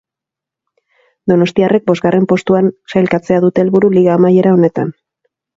Donostiarrek bosgarren postuan sailkatzea dute helburu liga amaiera honetan.